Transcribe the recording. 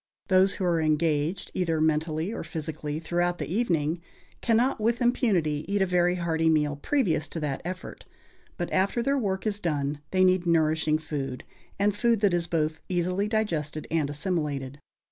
Those who are engaged, either mentally or physically, throughout the evening, cannot with impunity, eat a very hearty meal previous to that effort; but after their work is done they need nourishing food, and food that is both easily digested and assimilated.